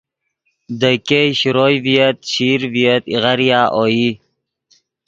دے ګئے شروئے ڤییت چشیر ڤییت ایغاریا اوئی